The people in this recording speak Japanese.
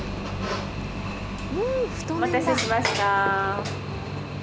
お待たせしました。